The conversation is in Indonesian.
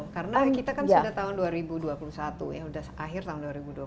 karena kita kan sudah tahun dua ribu dua puluh satu ya sudah akhir tahun dua ribu dua puluh